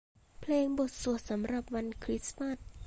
เพลงบทสวดสำหรับวันคริสต์มาส